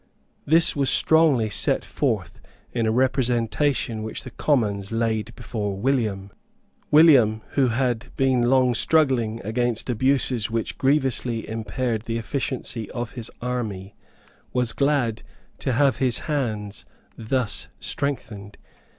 This was strongly set forth in a representation which the Commons laid before William. William, who had been long struggling against abuses which grievously impaired the efficiency of his army, was glad to have his hands thus strengthened.